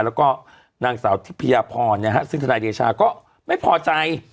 แล้วก็นางสาวทิพยาพรนะฮะซึ่งทนายเดชาก็ไม่พอใจ